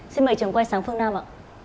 xin mời trường quay sáng phương nam ạ